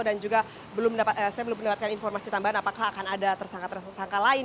dan juga saya belum mendapatkan informasi tambahan apakah akan ada tersangka tersangka lain